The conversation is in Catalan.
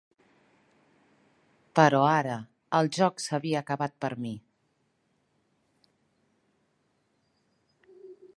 Però ara, el joc s"havia acabat per a mi.